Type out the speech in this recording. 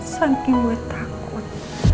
sampai gue takut